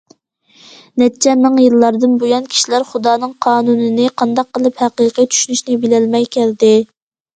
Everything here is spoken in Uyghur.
نەچچە مىڭ يىللاردىن بۇيان، كىشىلەر خۇدانىڭ قانۇنىنى قانداق قىلىپ ھەقىقىي چۈشىنىشنى بىلەلمەي كەلدى.